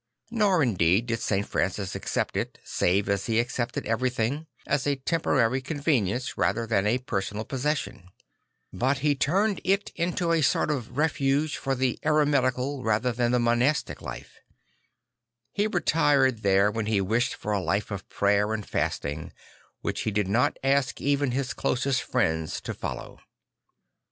Nor indeed did St. Francis accept it save as he accepted everything, as a temporary convenience rather than a personal possession; but he turned it into a sort of refuge for the eremitical rather than the monastic life; he retired there when he wished for a life of prayer and fasting which he did not ask even his closest friends to follow.